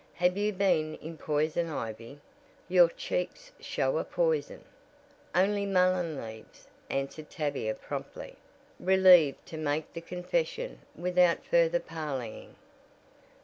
"Have you been in poison ivy? Your cheeks show a poison!" "Only mullen leaves," answered Tavia promptly, relieved to have made the confession without further parleying.